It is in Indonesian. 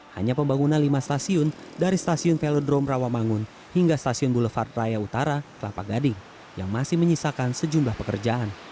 hanya pembangunan lima stasiun dari stasiun velodrome rawamangun hingga stasiun boulevard raya utara kelapa gading yang masih menyisakan sejumlah pekerjaan